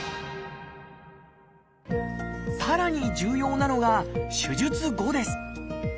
さらに重要なのが手術後です。